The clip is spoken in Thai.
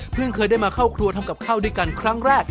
เคยได้มาเข้าครัวทำกับข้าวด้วยกันครั้งแรก